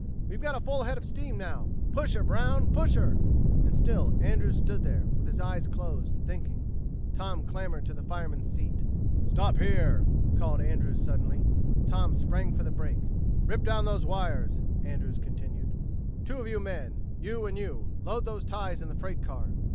"We've got a full head of steam now. Push her, Brown, push her!" And still Andrews stood there, with his eyes closed, thinking. Tom clambered to the fireman's seat. "Stop here!" called Andrews suddenly. Tom sprang for the brake. "Rip down those wires," Andrews continued. "Two of you men you and you load those ties in the freight car."